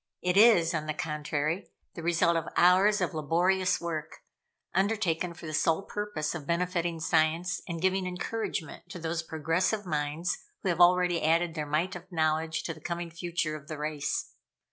It is, on the contrary, the result of hours of laborious work, undertaken for the sole purpose of benefiting Science and giving encouragement to those progressive minds who have already added their mite of knowledge to the coming future of the race.